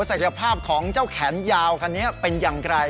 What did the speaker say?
ภาพของเจ้าแขนยาวคันนี้เป็นอย่างไร